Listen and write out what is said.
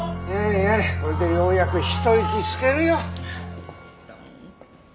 やれやれこれでようやくひと息つけるよ。